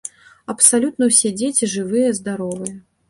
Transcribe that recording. Абсалютна ўсе дзеці жывыя-здаровыя.